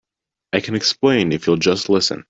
I can explain if you'll just listen.